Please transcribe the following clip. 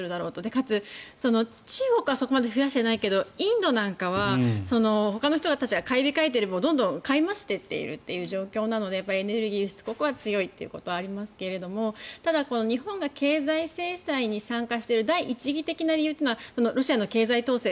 かつ、中国はそこまで増やしてないけどインドなんかはほかの人たちが買い控えている分どんどん買い増している状況なのでエネルギーは強いというところはありますけどただ、日本が経済制裁に参加している第一義的な理由というのはロシアの経済統制